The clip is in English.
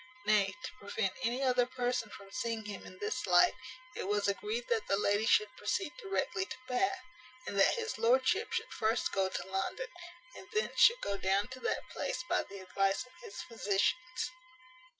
Nay, to prevent any other person from seeing him in this light, it was agreed that the lady should proceed directly to Bath, and that his lordship should first go to London, and thence should go down to that place by the advice of his physicians.